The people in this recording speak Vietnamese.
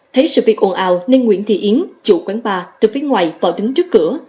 thấy sự việc ồn ào nên nguyễn thị yến chủ quán bar từ phía ngoài vào đứng trước cửa